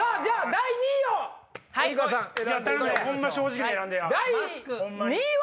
第２位は？